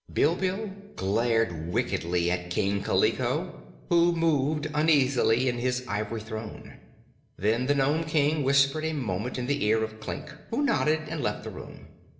Bilbil glared wickedly at King Kaliko, who moved uneasily in his ivory throne. Then the Nome King whispered a moment in the ear of Klik, who nodded and left the room.